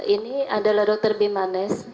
ini adalah dokter bimanes